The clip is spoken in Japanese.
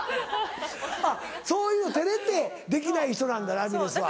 あっそういう照れてできない人なんだラミレスは。